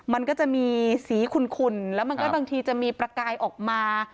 มันก็จะมีสีขุ่นแล้วมันก็บางทีจะมีประกายออกมา